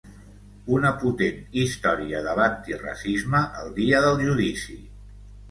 Una potent història de l'antiracisme, el Dia del Judici!